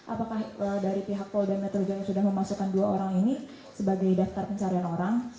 apakah dari pihak polda metro jaya sudah memasukkan dua orang ini sebagai daftar pencarian orang